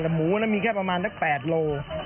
หมูนั้นมีแค่ประมาณ๘โล